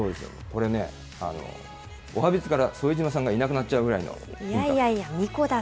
これね、おはＢｉｚから副島さんがいなくなっちゃうくらいのインパクト。